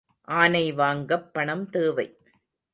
ஆனை வாங்கப் பணம்தேவை.